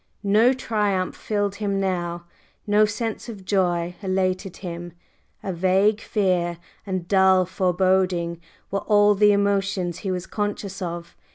No triumph filled him now; no sense of joy elated him; a vague fear and dull foreboding were all the emotions he was conscious of.